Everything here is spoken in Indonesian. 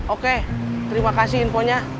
oke terima kasih infonya